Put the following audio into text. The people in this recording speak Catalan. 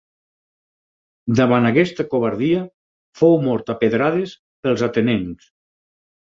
Davant aquesta covardia, fou mort a pedrades pels atenencs.